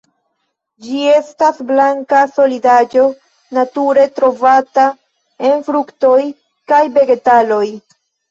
Ĝi estas blanka solidaĵo nature trovata en fruktoj kaj vegetaloj.